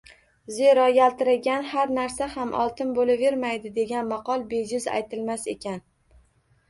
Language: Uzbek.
Zero, yaltiragan har narsa ham oltin bo`lavermaydi degan maqol bejiz aytilmas ekan